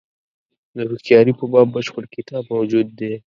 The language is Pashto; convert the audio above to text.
د هوښیاري په باب بشپړ کتاب موجود دی.